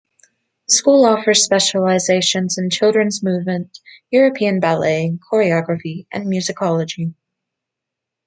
The school offers specializations in children's movement, European ballet, choreography, and musicology.